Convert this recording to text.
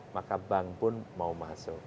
maka bank pun mau masuk